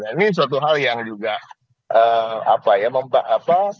ini suatu hal yang juga memperkenalkan